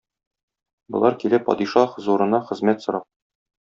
Болар килә падиша хозурына хезмәт сорап.